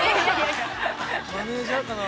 マネージャーかな。